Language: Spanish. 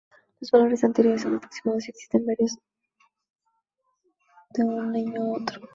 Los valores anteriores son aproximados, y existen muchas variaciones de un niño a otro.